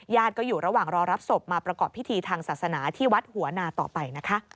ก็อยู่ระหว่างรอรับศพมาประกอบพิธีทางศาสนาที่วัดหัวนาต่อไปนะคะ